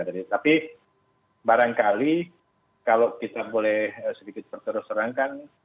jadi barangkali kalau kita boleh sedikit berterus terangkan